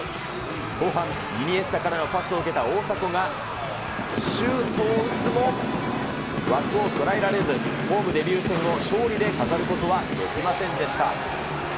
後半、イニエスタからのパスを受けた大迫がシュートを打つも、枠を捉えられず、ホームデビュー戦を勝利で飾ることはできませんでした。